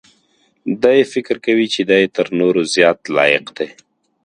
دی فکر کوي چې دی تر نورو زیات لایق دی.